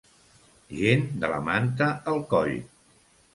Gent de la manta al coll.